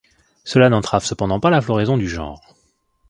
Cela n'entrave cependant pas la floraison du genre.